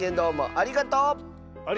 ありがとう！